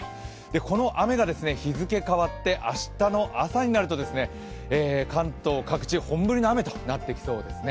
この雨が日付変わって、明日の朝になると関東各地、本降りの雨となってきそうですね。